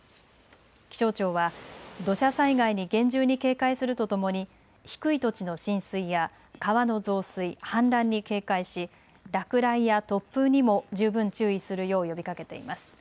気象庁は土砂災害に厳重に警戒するとともに低い土地の浸水や川の増水、氾濫に警戒し落雷や突風にも十分注意するよう呼びかけています。